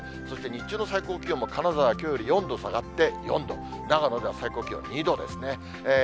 そして、日中の最高気温も金沢、きょうより４度下がって４度、長野では最高気温２度ですね。